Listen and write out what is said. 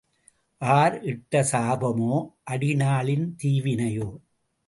R இட்ட சாபமோ அடி நாளின் தீவினையோ?